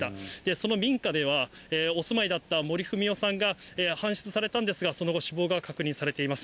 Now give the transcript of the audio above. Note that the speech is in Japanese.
その民家では、お住まいだった森文代さんが搬出されたんですが、その後、死亡が確認されています。